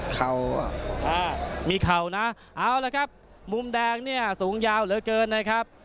เข่ามีเข่านะเอาละครับมุมแดงเนี่ยสูงยาวเหลือเกินนะครับ